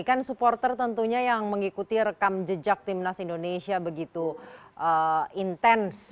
kan supporter tentunya yang mengikuti rekam jejak timnas indonesia begitu intens